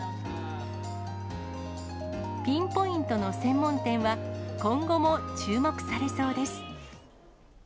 ピンポイントの専門店は、今後も注目されそうです。